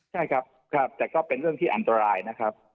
ใช่ครับครับแต่ก็เป็นเรื่องที่อันตรายนะครับ